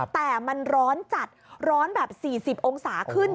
แต่มันร้อนจัดร้อนแบบ๔๐องศาขึ้น